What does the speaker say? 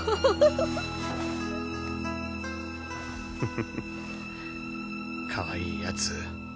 フフフかわいいやつ。